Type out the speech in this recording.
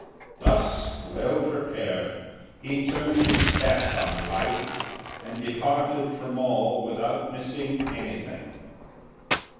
Thus, well prepared, he turned his back on life, and departed from all without missing anything.